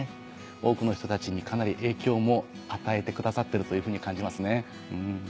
多くの人たちにかなり影響も与えてくださってるというふうに感じますね。